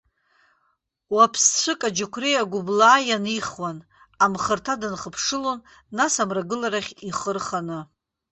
Уаԥсҵәык аџьықәреи агәыблаа ианихуан, амхырҭа дынхыԥшылон, нас амрагыларахь ихы рханы.